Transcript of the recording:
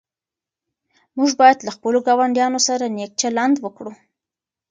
موږ باید له خپلو ګاونډیانو سره نېک چلند وکړو.